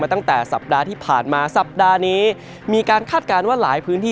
ตั้งแต่สัปดาห์ที่ผ่านมาสัปดาห์นี้มีการคาดการณ์ว่าหลายพื้นที่